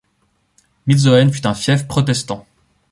Mizoën fut un fief protestant.